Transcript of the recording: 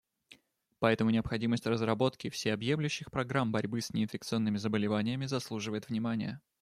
Поэтому необходимость разработки всеобъемлющих программ борьбы с неинфекционными заболеваниями заслуживает внимания.